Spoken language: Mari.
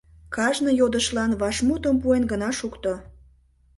Кажне йодышлан вашмутым пуэн гына шукто.